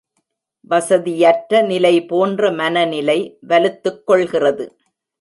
வசதியற்ற நிலை போன்ற மனநிலை வலுத்துக்கொள்கிறது.